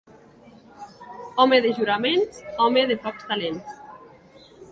Home de juraments, home de pocs talents.